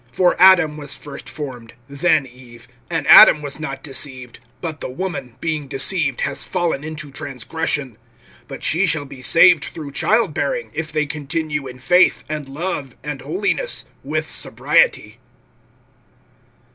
(13)For Adam was first formed, then Eve. (14)And Adam was not deceived; but the woman, being deceived, has fallen into transgression. (15)But she shall be saved through child bearing, if they continue in faith, and love, and holiness, with sobriety.